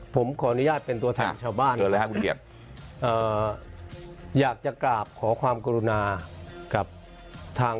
ผมขออนุญาตเป็นตัวแทนชาวบ้าน